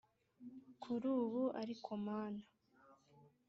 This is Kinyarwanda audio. kurubu ariko mana,